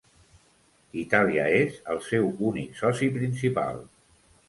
Itàlia és el seu únic soci principal.